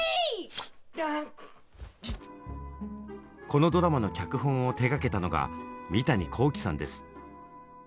このドラマの脚本を手がけたのが三谷幸喜さんです。